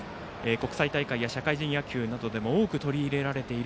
国際大会や社会人野球でも取り入れられている